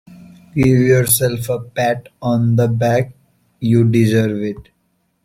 Give yourself a pat on the back, you deserve it.